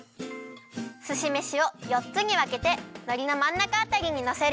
すしめしをよっつにわけてのりのまんなかあたりにのせるよ。